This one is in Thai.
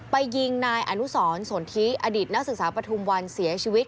ไปยิงนายอนุสรสนทิอดิตนักศึกษาปฐุมวันเสียชีวิต